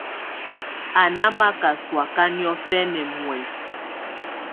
Á ná maka sɔ̀áka niɔ̀fɛna muɛsɛ.